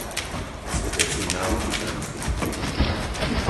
Es wird dazu namentliche Anträge geben.